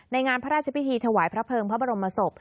งานพระราชพิธีถวายพระเภิงพระบรมศพ